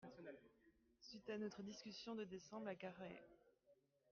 Suite à notre discussion de décembre à Carhaix.